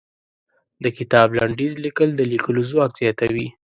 د کتاب لنډيز ليکل د ليکلو ځواک زياتوي.